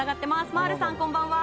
まぁるさん、こんばんは。